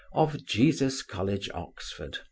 of Jesus college, Oxon.